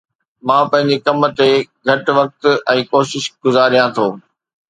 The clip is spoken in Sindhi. مان پنھنجي ڪم تي گھٽ وقت ۽ ڪوشش گذاريان ٿو